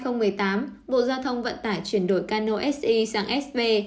năm hai nghìn một mươi tám bộ giao thông vận tải chuyển đổi cano si sang sb